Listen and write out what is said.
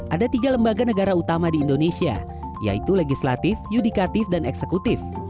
ada tiga lembaga negara utama di indonesia yaitu legislatif yudikatif dan eksekutif